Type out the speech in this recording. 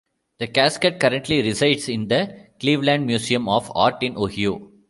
The casket currently resides in the Cleveland Museum of Art in Ohio.